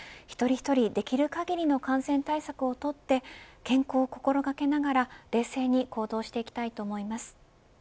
一人一人、できる限りの感染対策をとって健康を心掛けながら冷静に行動していきたいと思います。